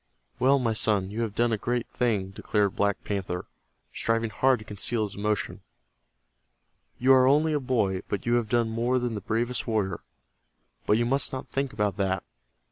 "Well, my son, you have done a great thing," declared Black Panther, striving hard to conceal his emotion. "You are only a boy, but you have done more than the bravest warrior. But you must not think about that.